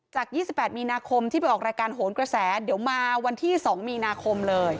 ๒๘มีนาคมที่ไปออกรายการโหนกระแสเดี๋ยวมาวันที่๒มีนาคมเลย